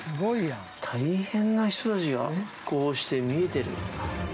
大変な人たちがこうしてみえてる。